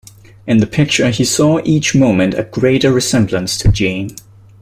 In the picture he saw each moment a greater resemblance to Jeanne.